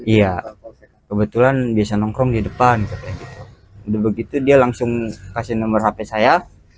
iya kebetulan dia nongkrong di depan katanya gitu udah begitu dia langsung kasih nomor hp saya